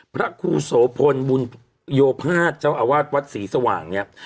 พระครูโสพลบุญโยภาษเจ้าอาวาสวัดศรีสว่างเนี่ย